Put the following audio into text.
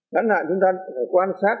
ngắn hạn chúng ta phải quan sát